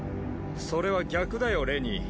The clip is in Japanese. それは逆だよレニー。